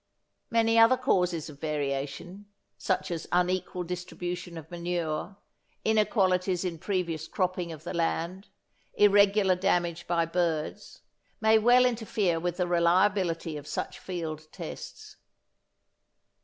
Many other causes of variation, such as unequal distribution of manure, inequalities in previous cropping of the land, irregular damage by birds, may well interfere with the reliability of such field tests.